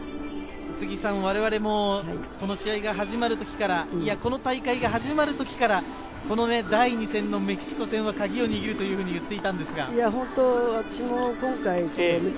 我々もこの試合が始まる時からこの大会が始まる時から第２戦のメキシコ戦はカギを握るというふうに言っていたんですが。